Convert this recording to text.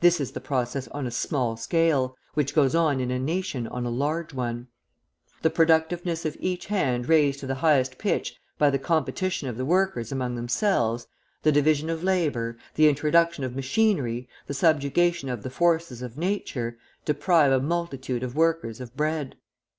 This is the process on a small scale, which goes on in a nation on a large one. The productiveness of each hand raised to the highest pitch by the competition of the workers among themselves, the division of labour, the introduction of machinery, the subjugation of the forces of nature, deprive a multitude of workers of bread.